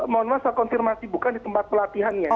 mohon maaf saya konfirmasi bukan di tempat pelatihannya